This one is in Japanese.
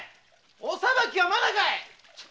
お裁きはまだかい！